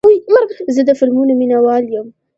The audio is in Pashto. زه د فلمونو مینهوال یم.